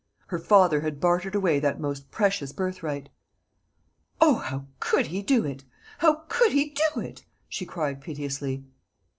Her father had bartered away that most precious birthright. "O, how could he do it! how could he do it!" she cried piteously.